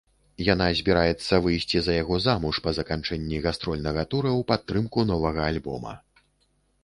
Яна збіраецца выйсці за яго замуж па заканчэнні гастрольнага тура ў падтрымку новага альбома.